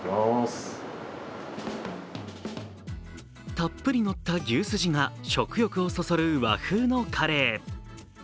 たっぷりのった牛すじが食欲をそそる和風のカレー。